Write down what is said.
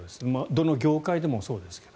どの業界でもそうですけど。